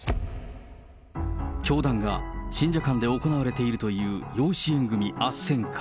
教団が信者間で行われている養子縁組あっせんか。